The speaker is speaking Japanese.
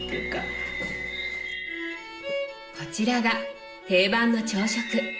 こちらが定番の朝食。